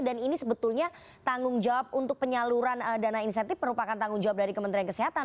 dan ini sebetulnya tanggung jawab untuk penyaluran dana insentif merupakan tanggung jawab dari kementerian kesehatan